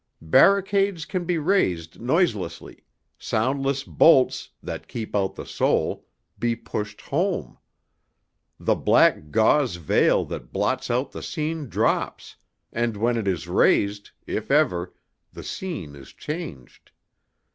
Barricades can be raised noiselessly, soundless bolts that keep out the soul be pushed home. The black gauze veil that blots out the scene drops, and when it is raised if ever the scene is changed.